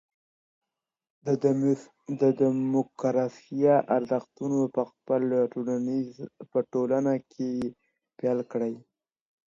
د ډيموکراسۍ ارزښتونه په خپله ټولنه کي پلي کړئ.